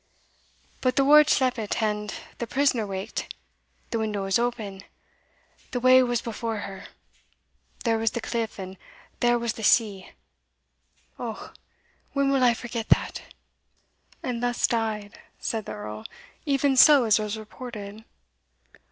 But the ward sleep't, and the prisoner waked the window was open the way was before her there was the cliff, and there was the sea! O, when will I forget that!" "And thus died," said the Earl, "even so as was reported?"